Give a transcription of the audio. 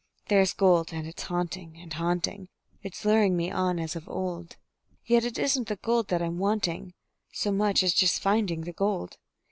There's gold, and it's haunting and haunting; It's luring me on as of old; Yet it isn't the gold that I'm wanting So much as just finding the gold.